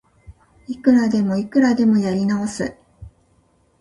いくらでもいくらでもやり直す